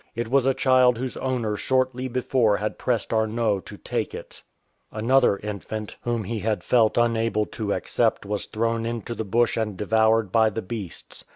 It was a child whose owner shortly before had pressed Arnot to take it. Another infant whom he had felt 169 THE SAVIOURS OF AFRICA unable to accept was thrown into the bush and devoured by the beasts.